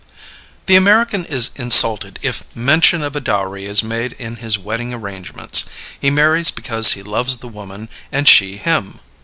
The American is insulted if mention of dowry is made in his wedding arrangements. He marries because he loves the woman and she him.